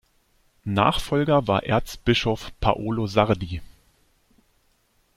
Nachfolger war Erzbischof Paolo Sardi.